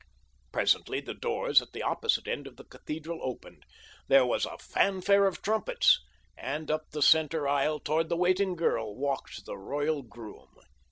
Presently the doors at the opposite end of the cathedral opened. There was a fanfare of trumpets, and up the center aisle toward the waiting girl walked the royal groom.